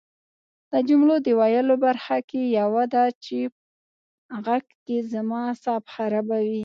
د جملو د ویلو برخه کې یوه ده چې غږ کې زما اعصاب خرابوي